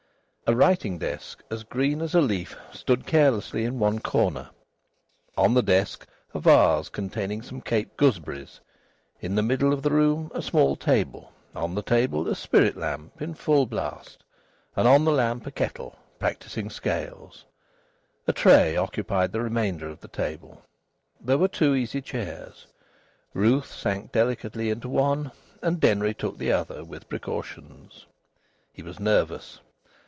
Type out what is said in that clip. A writing desk as green as a leaf stood carelessly in one corner; on the desk a vase containing some Cape gooseberries. In the middle of the room a small table, on the table a spirit lamp in full blast, and on the lamp a kettle practising scales; a tray occupied the remainder of the table. There were two easy chairs; Ruth sank delicately into one, and Denry took the other with precautions. He was nervous.